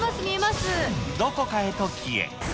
どこかへと消え。